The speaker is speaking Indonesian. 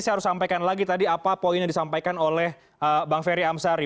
saya harus sampaikan lagi tadi apa poin yang disampaikan oleh bang ferry amsari